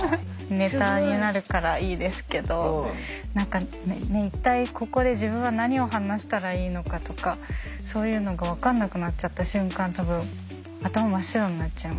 ネタになるからいいですけど何か一体ここで自分は何を話したらいいのかとかそういうのが分かんなくなっちゃった瞬間多分頭真っ白になっちゃいますよね。